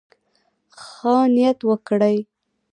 ښه نيت وکړئ.